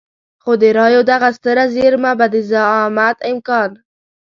خو د رايو دغه ستره زېرمه به د زعامت امکان.